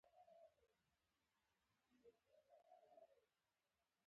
دا د بې عدالتۍ شدید مصداقونه شمېرل کیږي.